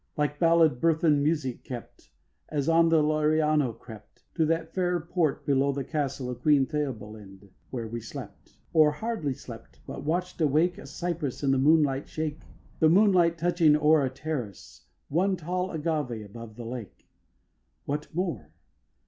Like ballad burthen music, kept, As on The Lariano crept To that fair port below the castle Of Queen Theodolind, where we slept; Or hardly slept, but watch'd awake A cypress in the moonlight shake. The moonlight touching o'er a terrace One tall Agavč above the lake. What more?